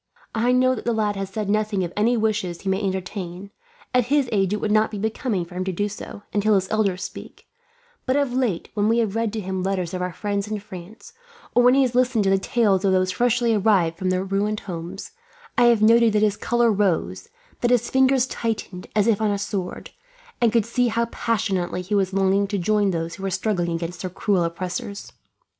"I know that the lad has said nothing of any wishes he may entertain at his age it would not be becoming for him to do so, until his elders speak but of late, when we have read to him letters from our friends in France, or when he has listened to the tales of those freshly arrived from their ruined homes, I have noted that his colour rose; that his fingers tightened, as if on a sword; and could see how passionately he was longing to join those who were struggling against their cruel oppressors.